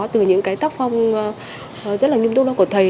từ những cái tác phong rất là nghiêm túc của thầy